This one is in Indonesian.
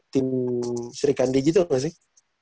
tim sri kandi gitu gak sih